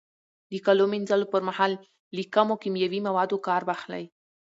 د کالو مینځلو پر مهال له کمو کیمیاوي موادو کار واخلئ.